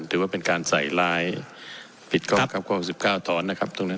ถือว่าเป็นการใส่ลายปิดข้อ๑๙ถอนนะครับตรงนั้น